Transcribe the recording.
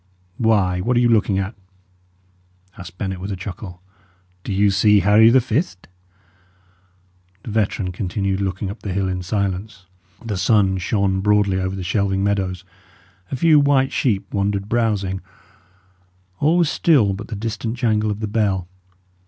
"Why, what are you looking at?" asked Bennet, with a chuckle. "Do, you see Harry the Fift?" The veteran continued looking up the hill in silence. The sun shone broadly over the shelving meadows; a few white sheep wandered browsing; all was still but the distant jangle of the bell.